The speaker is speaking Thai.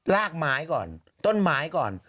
ลากไม้ก่อนต้นไม้ก่อน